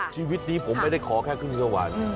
ชีวิตนี้ผมไม่ได้ขอแค่ขึ้นสวรรค์